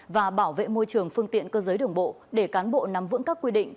và bảo vệ môi trường phương tiện cơ giới đường bộ để cán bộ nắm vững các quy định